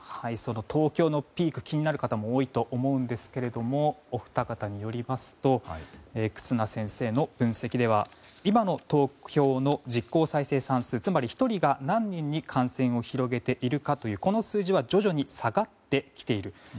その東京のピーク気になる方も多いと思うんですがお二方によりますと忽那先生の分析では今の東京の実効再生産数つまり１人が何人に感染を広げているかという数字は徐々に下がってきている。